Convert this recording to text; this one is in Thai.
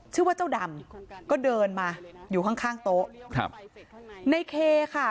ชื่อว่าเจ้าดำก็เดินมาอยู่ข้างข้างโต๊ะครับในเคค่ะ